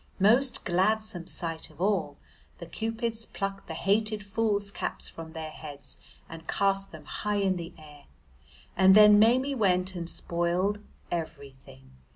Most gladsome sight of all, the Cupids plucked the hated fools' caps from their heads and cast them high in the air. And then Maimie went and spoiled everything.